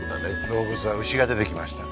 動物は牛が出てきました